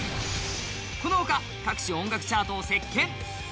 このほか、各種音楽チャートを席けん。